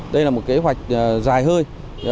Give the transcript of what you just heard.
đây là một kế hoạch dài hơi